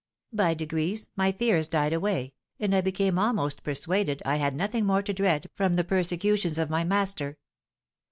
By degrees my fears died away, and I became almost persuaded I had nothing more to dread from the persecutions of my master.